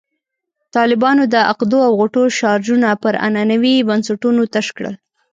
طالبانو د عقدو او غوټو شاجورونه پر عنعنوي بنسټونو تش کړل.